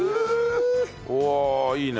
うわいいね。